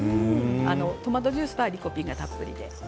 トマトジュースにはリコピンがたっぷりで。